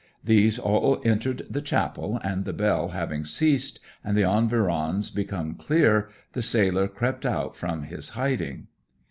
These all entered the chapel, and the bell having ceased and the environs become clear, the sailor crept out from his hiding.